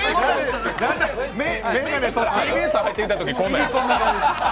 ＴＢＳ入ってきたときこんなや。